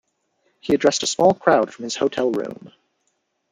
He addressed a small crowd from his hotel room.